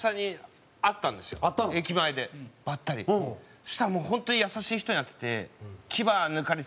そしたらもう本当に優しい人になってて。